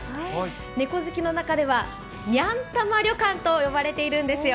猫好きの中では、にゃんたま旅館と呼ばれているんですよ。